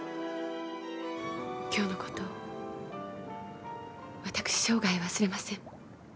きょうのこと私、生涯忘れません。